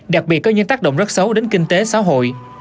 đặc biệt có những tác động rất xấu đến kinh tế xã hội